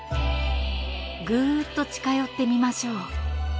グーッと近寄ってみましょう。